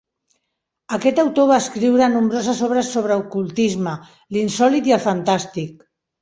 Aquest autor va escriure nombroses obres sobre ocultisme, l'insòlit i el fantàstic.